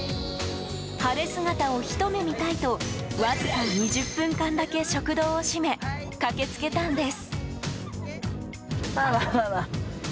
晴れ姿をひと目見たいとわずか２０分間だけ食堂を閉め駆け付けたんです。